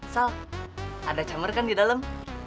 sal ada camer kan di dalam